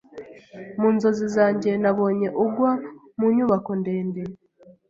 Mu nzozi zanjye, nabonye ugwa mu nyubako ndende.